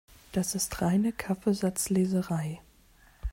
Das ist reine Kaffeesatzleserei.